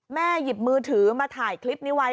หยิบมือถือมาถ่ายคลิปนี้ไว้